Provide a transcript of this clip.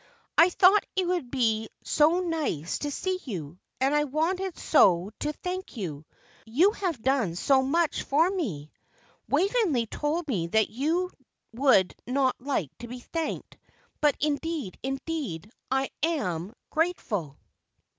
"I thought it would be so nice to see you, and I wanted so to thank you. You have done so much for me! Waveney told me that you would not like to be thanked; but indeed, indeed, I am grateful."